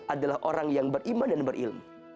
adalah orang yang beriman dan berilmu